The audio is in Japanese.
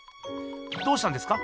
どうしたんですか？